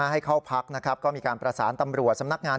ให้เข้าพักนะครับก็มีการประสานตำรวจสำนักงาน